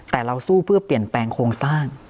แต่เราสู้เพื่อเปลี่ยนแปลงโครงสร้าง